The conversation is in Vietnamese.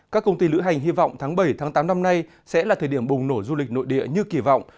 các công ty lữ hành hy vọng tháng bảy tám năm nay sẽ là thời điểm bùng nổ du lịch nội địa như kỳ vọng